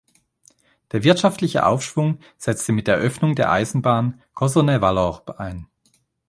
Der wirtschaftliche Aufschwung setzte mit der Eröffnung der Eisenbahn Cossonay-Vallorbe ein.